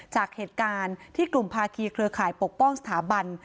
จากเหตุการณ์ที่กลุ่มภาคีเครือข่ายปกป้องสถาบัน